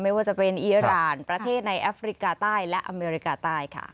ไม่ว่าจะเป็นอีรานประเทศในแอฟริกาใต้และอเมริกาใต้ค่ะ